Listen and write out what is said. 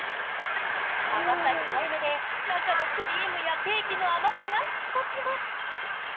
甘さ控えめで、中のクリームやケーキの甘さが引き立ちます。